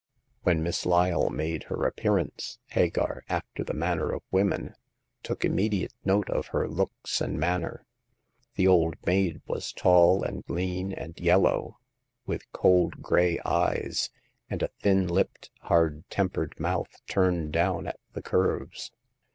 When Miss Lyle made her appearance, Hagar, after the manner of women, took immediate note of her looks and manner. The old maid was tall and lean and yellow, with cold gray eyes, and a thin lipped, hard tempered mouth, turned down at the curves.